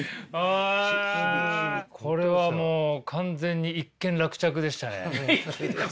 これはもう完全に一件落着でしたね。